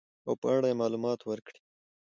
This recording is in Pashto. او په اړه يې معلومات ورکړي .